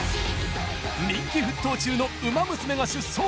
人気沸騰中のウマ娘が出走！